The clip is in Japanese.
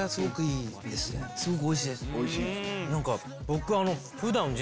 すごくおいしいです。